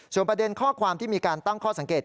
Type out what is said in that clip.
ส่วนประเด็นข้อความที่มีการตั้งข้อสังเกต